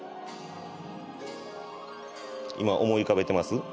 今思い浮かべてます？